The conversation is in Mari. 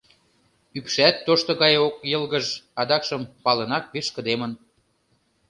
Ӱпшат тошто гае ок йылгыж, адакшым палынак вишкыдемын.